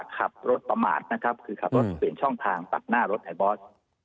ขับรถประมาทนะครับคือขับรถเปลี่ยนช่องทางตัดหน้ารถไอบอส